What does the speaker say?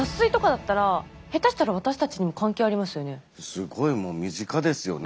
すごいもう身近ですよね。